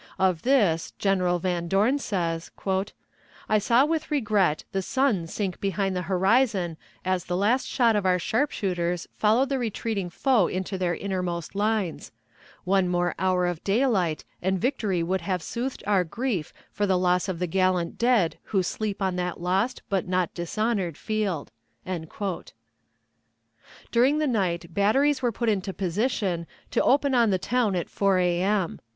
Of this, General Van Dorn says: "I saw with regret the sun sink behind the horizon as the last shot of our sharpshooters followed the retreating foe into their innermost lines. One hour more of daylight, and victory would have soothed our grief for the loss of the gallant dead who sleep on that lost but not dishonored field." During the night batteries were put in position to open on the town at 4 A.M.